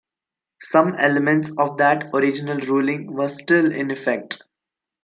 Some elements of that original ruling were still in effect.